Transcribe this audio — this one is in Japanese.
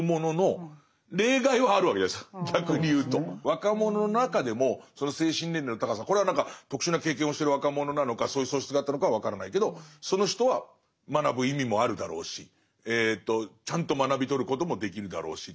若者の中でも精神年齢の高さこれは特殊な経験をしてる若者なのかそういう素質があったのかは分からないけどその人は学ぶ意味もあるだろうしちゃんと学び取ることもできるだろうし。